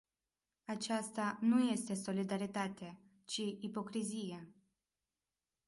Aceasta nu este solidaritate, ci ipocrizie.